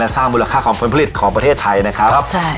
และสร้างมูลค่าความผลผลิตของประเทศไทยนะครับครับใช่